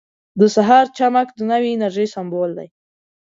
• د سهار چمک د نوې انرژۍ سمبول دی.